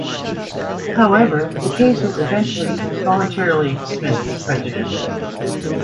However, the case was eventually voluntarily dismissed with prejudice.